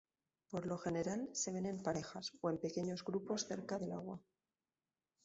Por lo general se ven en parejas o en pequeños grupos cerca del agua.